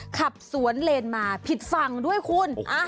ขับสวนเลนมาผิดฝั่งด้วยคุณ